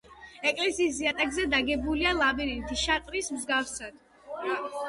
ეკლესიის იატაკზე დაგებულია ლაბირინთი, შარტრის მსგავსად.